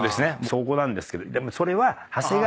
そこなんですけどでも。